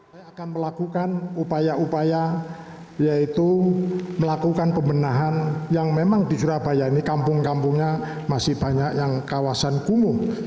saya akan melakukan upaya upaya yaitu melakukan pembenahan yang memang di surabaya ini kampung kampungnya masih banyak yang kawasan kumuh